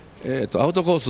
アウトコース